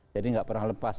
jadi nggak pernah lepas